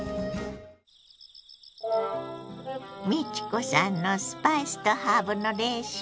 美智子さんのスパイスとハーブのレシピ。